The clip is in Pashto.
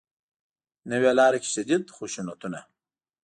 نوې لاره کې شدید خشونتونه